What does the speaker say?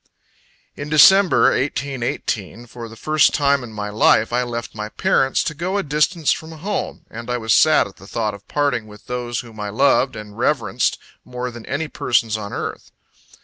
In December, 1818, for the first time in my life, I left my parents, to go a distance from home; and I was sad at the thought of parting with those whom I loved and reverenced more than any persons on earth.